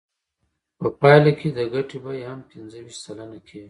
په پایله کې د ګټې بیه هم پنځه ویشت سلنه کېږي